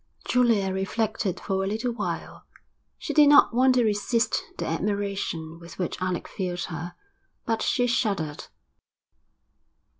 Julia reflected for a little while. She did not want to resist the admiration with which Alec filled her. But she shuddered.